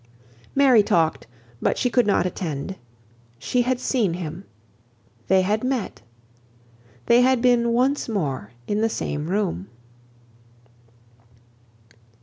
Mary talked, but she could not attend. She had seen him. They had met. They had been once more in the same room.